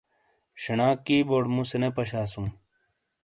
شینا کی بورڑ مُوسے نے پشاسوں۔